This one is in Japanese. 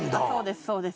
そうです